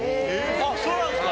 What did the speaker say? あっそうなんですか。